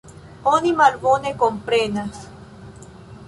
Oni malbone komprenas.